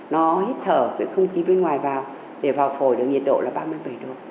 nó hít thở cái không khí bên ngoài vào để vào phổi được nhiệt độ là ba mươi bảy độ